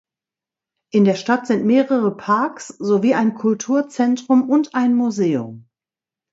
In der Stadt sind mehrere Parks sowie ein Kulturzentrum und ein Museum.